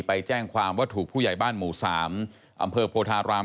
ไปแจ้งความว่าถูกผู้ใหญ่บ้านหมู่๓อำเภอโพธาราม